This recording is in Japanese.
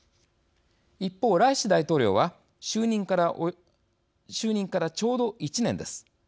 一方、ライシ大統領は就任から、ちょうど１年です。